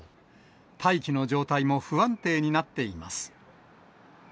大気の状態も不安定になっています。